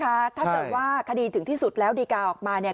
ถ้าเกิดว่าคดีถึงที่สุดแล้วดีกาออกมาเนี่ย